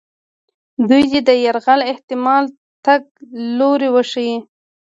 دوی دې د یرغل احتمالي تګ لوري وښیي.